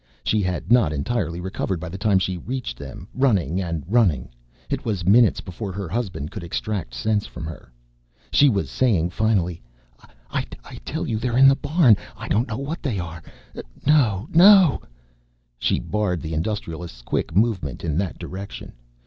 She had not entirely recovered by the time she reached them, running and running. It was minutes before her husband could extract sense from her. She was saying, finally, "I tell you they're in the barn. I don't know what they are. No, no " She barred the Industrialist's quick movement in that direction.